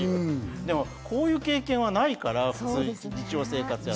でもこういう経験はないから、日常生活に。